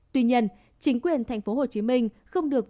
tuy nhiên chính quyền tp hcm không được